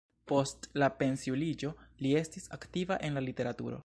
Post la pensiuliĝo li estis aktiva en la literaturo.